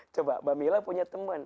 coba mbak mila punya teman